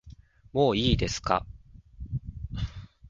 もういいですか